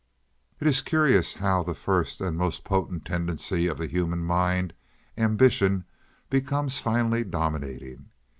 It is curious how that first and most potent tendency of the human mind, ambition, becomes finally dominating.